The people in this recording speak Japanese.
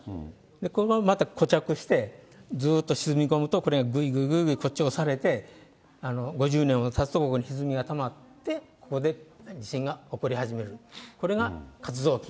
このまま、また固着して、ずっと沈み込むと、これがぐっぐっぐっぐっと、こっちへ押されて、５０年もたつと、ここにひずみがたまって、ここで地震が起こり始めると。